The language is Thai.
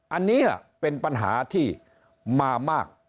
อันนี้เป็นปัญหาที่มามาก